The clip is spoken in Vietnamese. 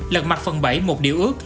lật mặt phần bẫy một điều ước